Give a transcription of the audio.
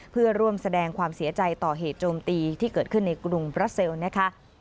เพื่อร่วมแสดงความเสียใจต่อเหตุโจมตีที่เกิดขึ้นในกรุงบราเซลนะคะ